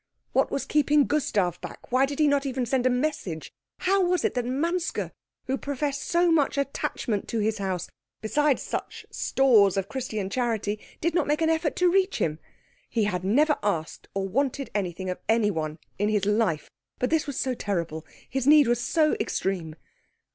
What was keeping Gustav back? Why did he not even send a message? How was it that Manske, who professed so much attachment to his house, besides such stores of Christian charity, did not make an effort to reach him? He had never asked or wanted anything of anyone in his life; but this was so terrible, his need was so extreme.